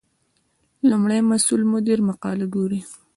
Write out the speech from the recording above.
لومړی مسؤل مدیر مقاله ګوري.